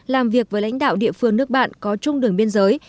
làm việc với lãnh đạo địa phương nước bạn có chung đường biên giới